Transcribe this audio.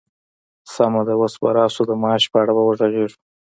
سمه ده، اوس به راشو د معاش په اړه به وغږيږو!